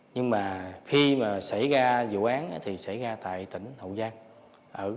nhưng mà khi mà xảy ra vụ án thì xảy ra tại tỉnh hậu giang